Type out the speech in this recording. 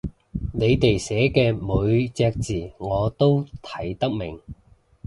你哋寫嘅每隻字我都睇得明